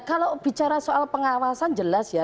kalau bicara soal pengawasan jelas ya